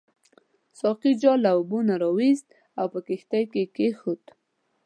ساقي جال له اوبو نه راوایست او په کښتۍ کې کېښود.